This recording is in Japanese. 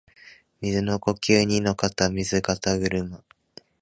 水の呼吸弐ノ型水車（にのかたみずぐるま）